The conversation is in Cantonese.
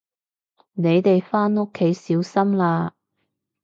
你哋返屋企小心啦